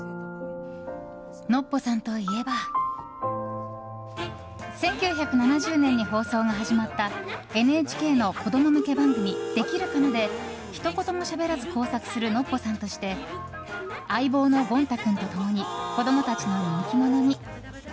のっぽさんといえば１９７０年に放送が始まったＮＨＫの子供向け番組「できるかな」でひと言もしゃべらず工作するノッポさんとして相棒のゴン太くんと共に子供たちの人気者に。